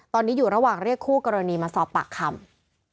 ตอนนี้อยู่ระหว่างเรียกคู่กรณีมาสอบปากคำ